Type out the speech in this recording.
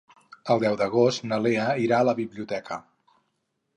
El deu d'agost na Lea irà a la biblioteca.